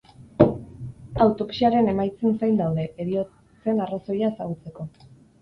Autopsiaren emaitzen zain daude, heriotzen arrazoia ezagutzeko.